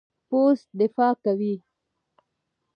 پوست دفاع کوي.